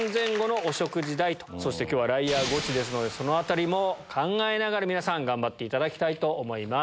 そして今日はライアーゴチですのでその辺りも考えながら皆さん頑張っていただきたいと思います。